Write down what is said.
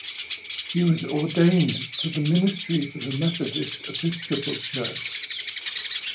He was ordained to the ministry for the Methodist Episcopal Church.